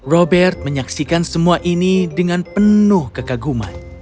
robert menyaksikan semua ini dengan penuh kekaguman